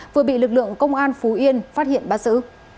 vừa bị lực lượng công an phú yên phát hiện bắt giữ